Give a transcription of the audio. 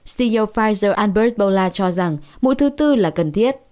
ceo pfizer albisola cho rằng mũi thứ tư là cần thiết